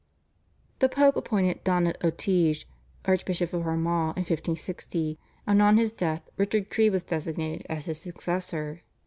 " The Pope appointed Donat O'Teige Archbishop of Armagh in 1560, and on his death Richard Creagh was designated as his successor.